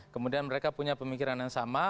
kemudian mereka punya pemikiran yang sama